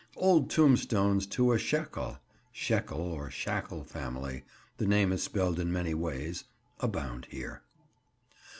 Old tombstones to a Shackel, Shekel or Shackle family—the name is spelled in many ways—abound here.